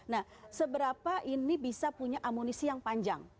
nah seberapa ini bisa punya amunisi yang panjang